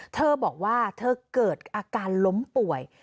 เธอบอกว่าเธอเกิดอาการล้มป่วย